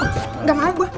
gak mau gak maen gue